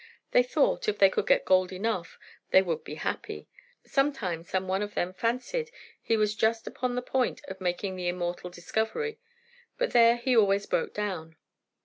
They thought, if they could get gold enough, they would be happy. Sometimes some one of them fancied he was just upon the point of making the immortal discovery; but there he always broke down."